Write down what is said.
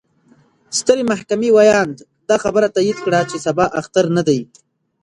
ستر محكمې وياند: دا خبره تايد کړه، چې سبا اختر نه دې.